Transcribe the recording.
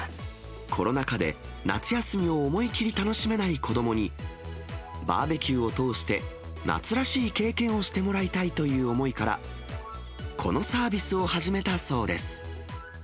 コロナ禍で夏休みを思い切り楽しめない子どもに、バーベキューを通して、夏らしい経験をしてもらいたいという思いから、このサービスを始めたそうです。